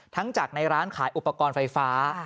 จากในร้านขายอุปกรณ์ไฟฟ้า